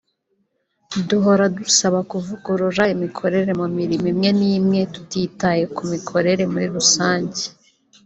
duhora dusaba kuvugurura imikorere mu mirimo imwe n’imwe tutitaye ku mikorere muri rusange